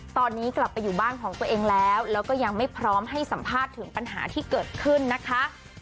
ตอนนี้กลับไปอยู่บ้านของตัวเองแล้วแล้วก็ยังไม่พร้อมให้สัมภาษณ์ถึงปัญหาที่เกิดขึ้นนะคะ